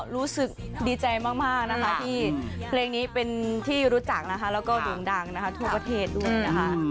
รู้สึกดีใจมากนะคะที่เพลงนี้เป็นที่รู้จักนะคะแล้วก็โด่งดังนะคะทั่วประเทศด้วยนะคะ